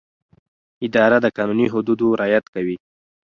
اداره د قانوني حدودو رعایت کوي.